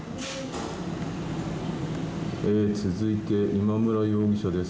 続いて、今村容疑者です。